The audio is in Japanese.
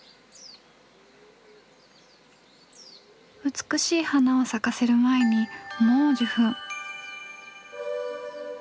美しい花を咲かせる前にもう受粉。